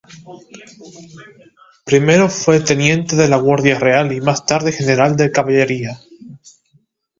Primero fue teniente de la Guardia Real, y más tarde general de caballería.